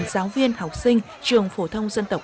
giáo viên học sinh trường phổ thông dân tộc